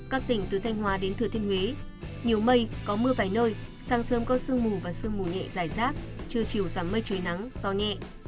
các tỉnh từ thanh hóa đến thừa thiên huế nhiều mây có mưa vài nơi sáng sớm có sương mù và sương mù nhẹ dài rác trưa chiều giảm mây trời nắng gió nhẹ